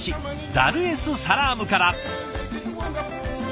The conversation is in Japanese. ダルエスサラームから。